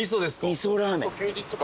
味噌ラーメン。